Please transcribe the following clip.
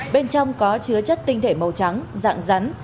bên trong có chứa chất tinh thể màu trắng dạng rắn